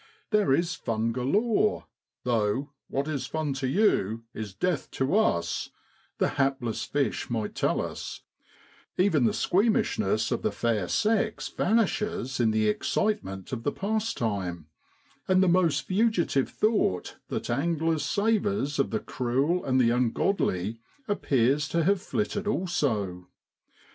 There is fun galore, * tho' what is fun to you is death to us,' the hapless fish might tell us ; even the squeamishness of the fair sex vanishes in the excitement of the pastime, and the most fugitive thought that angling savours of the cruel and the ungodly appears to have flitted also.